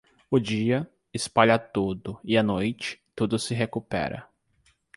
O dia, espalha tudo, e à noite, tudo se recupera.